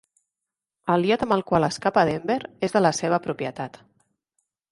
El iot amb el qual escapa Denver és de la seva propietat.